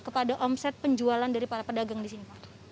kepada omset penjualan dari para pedagang di sini